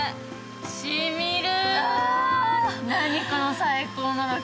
しみる。